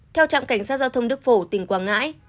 theo trạm cảnh sát giao thông đức phổ tỉnh quảng ngãi